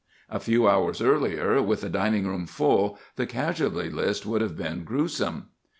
"A few hours earlier, with the dining room full, the casualty list would have been gruesome.